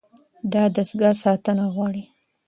دا دستګاه ساتنه غواړي.